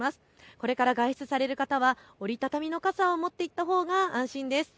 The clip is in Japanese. これから外出される方は折り畳みの傘を持っていったほうが安心です。